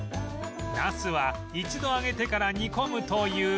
ナスは一度揚げてから煮込むという